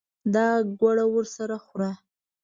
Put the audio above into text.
دا ګوړه ورسره خوره.